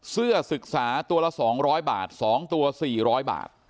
เสื้อศึกษาตัวละ๒๐๐บาท๒ตัว๔๐๐บาท